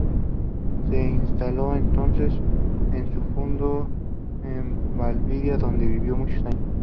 Se instaló entonces en su fundo en Valdivia, donde vivió muchos años.